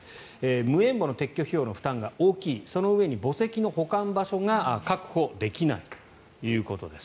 無縁墓の撤去費用の負担が大きいそのうえに大きな墓石の保管場所が確保できないということです。